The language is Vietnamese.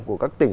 của các tỉnh